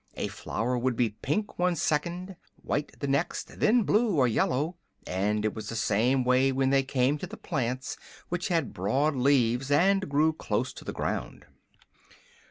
A flower would be pink one second, white the next, then blue or yellow; and it was the same way when they came to the plants, which had broad leaves and grew close to the ground.